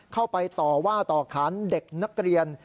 เข้าไปต่อว่าต่อขานเด็กนักเรียน